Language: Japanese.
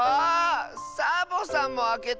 サボさんもあけたの⁉